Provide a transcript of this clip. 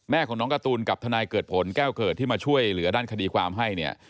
แม่ของน้องการ์ตูนกับทนายเกิดผลแก้วเกิดที่มาช่วยเหลือด้านคดีความให้เนี่ย